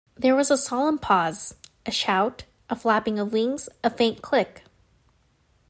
There was a solemn pause — a shout — a flapping of wings — a faint click.